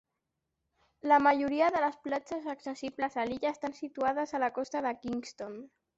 La majoria de les platges accessibles a l'illa estan situades a la costa de Kingston.